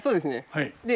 はい。